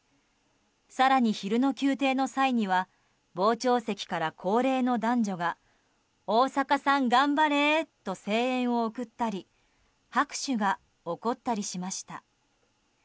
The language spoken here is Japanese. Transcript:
更に、昼の休廷の際には傍聴席から高齢の男女が大坂さん、頑張れ！と声援を送ったり拍手が起こったりしました。